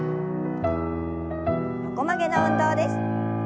横曲げの運動です。